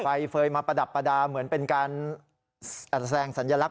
ไฟเฟย์มาประดับประดาษเหมือนเป็นการแสดงสัญลักษ